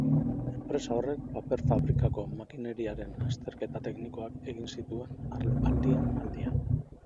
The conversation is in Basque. Enpresa horrek paper-fabrikako makineriaren azterketa teknikoak egiten zituen aldian-aldian.